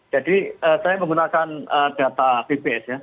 jadi saya menggunakan data pps ya